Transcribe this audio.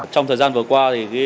trong thời gian vừa qua